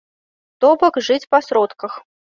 То бок, жыць па сродках.